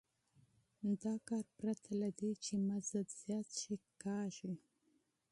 دا کار پرته له دې چې مزد زیات شي کېږي